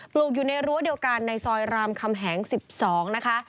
ลูกอยู่ในรั้วเดียวกันในซอยรามคำแหง๑๒นะคะ